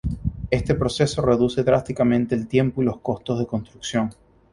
Este proceso reduce drásticamente el tiempo y los costos de construcción.